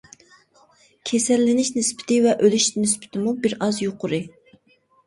كېسەللىنىش نىسبىتى ۋە ئۆلۈش نىسبىتىمۇ بىر ئاز يۇقىرى.